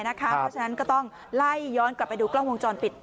เพราะฉะนั้นก็ต้องไล่ย้อนกลับไปดูกล้องวงจรปิด